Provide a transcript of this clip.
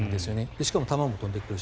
しかも弾も飛んでくるし。